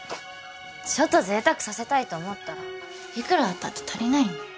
ちょっとぜいたくさせたいと思ったらいくらあったって足りないんだよ。